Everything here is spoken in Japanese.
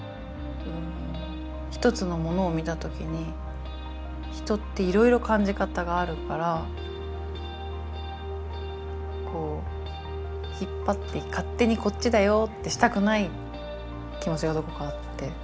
一つのものを見た時に人っていろいろ感じ方があるからこう引っ張って勝手にこっちだよってしたくない気持ちがどこかあって。